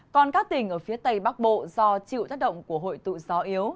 còn các tỉnh ở phía tây bắc bộ do chịu tác động của hội tụ gió yếu